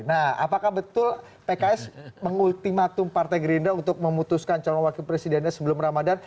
nah apakah betul pks mengultimatum partai gerindra untuk memutuskan calon wakil presidennya sebelum ramadhan